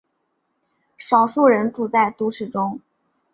少数人住在都市中。